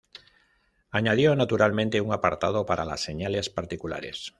Añadió naturalmente un apartado para las señales particulares.